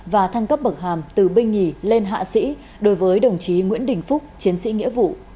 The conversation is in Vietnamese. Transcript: và thăng cấp bậc hàm từ binh nhì lên hạ sĩ đối với đồng chí nguyễn đình phúc chiến sĩ nghĩa vụ